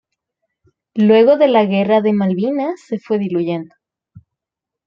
Luego de la guerra de Malvinas se fue diluyendo.